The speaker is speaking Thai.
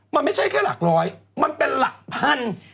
มันไม่ใช่แค่หลักร้อยมันเป็นหลักพัน